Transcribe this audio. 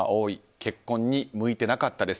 結婚に向いていなかったです。